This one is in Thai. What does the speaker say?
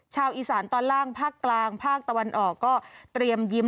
ชาวอีสานตอนล่างภาคกลางภาคตะวันออกก็เตรียมยิ้ม